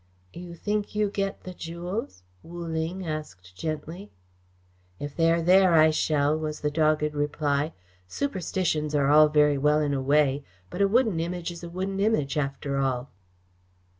"You think you get the jewels?" Wu Ling asked gently. "If they are there, I shall," was the dogged reply. "Superstitions are all very well in a way, but a wooden image is a wooden image, after all."